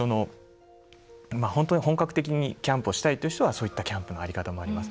本格的にキャンプをしたい人はそういったキャンプの在り方もあります。